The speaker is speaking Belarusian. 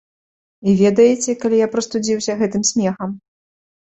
І ведаеце, калі я прастудзіўся гэтым смехам?